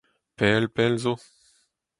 Pell pell zo.